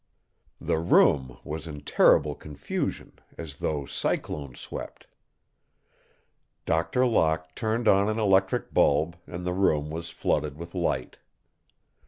The room was in terrible confusion, as though cyclone swept. Doctor Locke turned on an electric bulb and the room was flooded with light.